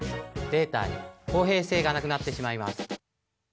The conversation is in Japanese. データに公平性がなくなってしまいます。